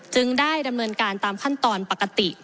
ได้ดำเนินการตามขั้นตอนปกติ